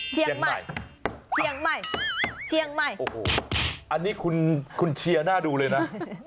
เชียงใหม่เชียงใหม่โอ้โหอันนี้คุณเชียร์หน้าดูเลยนะ